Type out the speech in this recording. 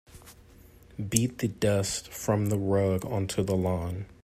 Beat the dust from the rug onto the lawn.